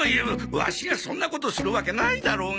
ワシがそんなことするわけないだろうが！